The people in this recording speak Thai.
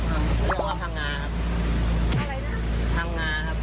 อะไรนะพางงา